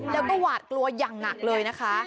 แล้วก็หวาดกลัวอย่างหนักเลยนะคะ